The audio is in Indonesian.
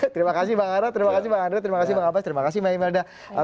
terima kasih mbak andra terima kasih mbak andra terima kasih mbak alpas terima kasih mbak imelda